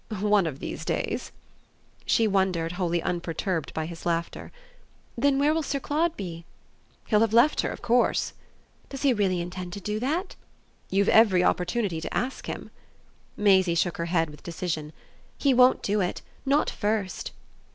"One of these days." She wondered, wholly unperturbed by his laughter. "Then where will Sir Claude be?" "He'll have left her of course." "Does he really intend to do that?" "You've every opportunity to ask him." Maisie shook her head with decision. "He won't do it. Not first."